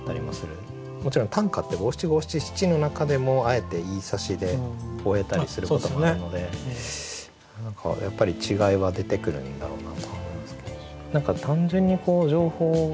もちろん短歌って五七五七七の中でもあえて言いさしで終えたりすることもあるので何かやっぱり違いは出てくるんだろうなとは思いますけど。